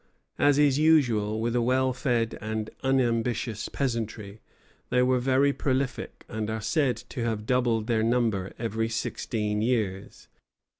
As is usual with a well fed and unambitious peasantry, they were very prolific, and are said to have doubled their number every sixteen years.